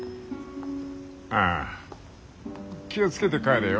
ああ気を付けて帰れよ。